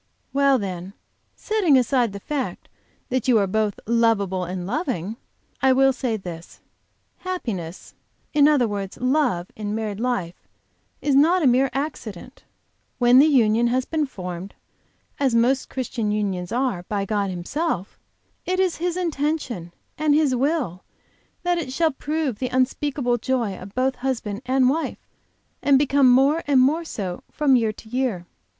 "Well, then, setting aside the fact that you are both lovable and loving, I will say this: Happiness, in other words love, in married life is not a mere accident. When the union has been formed, as most Christian unions are, by God Himself, it is His intention and His will that it shall prove the unspeakable joy of both husband and wife, and become more and more so from year to year.